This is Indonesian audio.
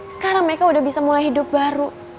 sekarang mereka udah bisa mulai hidup baru